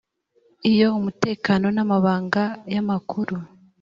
iyo umutekano n amabanga y amakuru